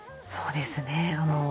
そうですね。